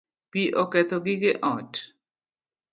Pi oketho gige ot